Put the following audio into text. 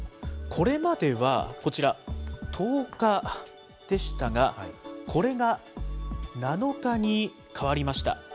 これまではこちら、１０日でしたが、これが７日に変わりました。